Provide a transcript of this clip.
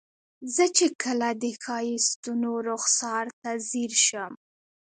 زه چې کله د ښایستونو رخسار ته ځیر شم.